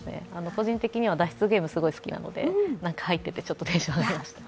個人的には脱出ゲームすごい好きなので、入っていてテンション上がりました。